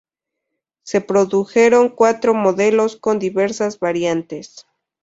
Se produjeron cuatro modelos con diversas variantes.